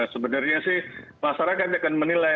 sebenarnya sih masyarakat akan menilai